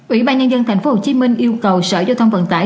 ủy ban nhân dân tp hcm yêu cầu sở giao thông vận tải